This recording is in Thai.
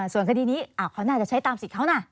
ส่วนคดีนี้เขาน่าจะใช้ตามสิทธิ์เขานะ